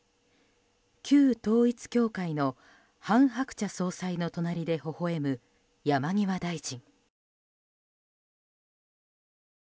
旧統一教会の韓鶴子総裁の隣でほほ笑む山際大臣。